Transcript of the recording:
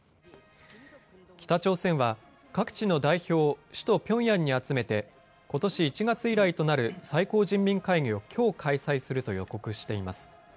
北朝鮮は各地の代表を首都ピョンヤンに集めてことし１月以来となる最高人民会議をきょう開催すると予告しています。